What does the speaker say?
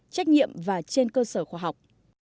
trách nhiệm và trên cơ sở khoa học